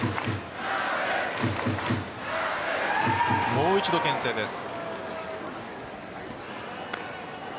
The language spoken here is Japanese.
もう一度、けん制です。